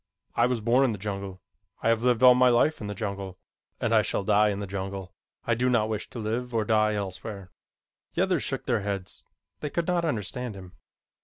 I was born in the jungle. I have lived all my life in the jungle, and I shall die in the jungle. I do not wish to live or die elsewhere." The others shook their heads. They could not understand him.